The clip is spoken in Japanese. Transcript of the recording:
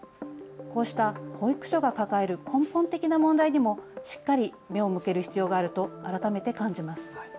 こうした保育所が抱える根本的な問題にもしっかり目を向ける必要があると改めて感じます。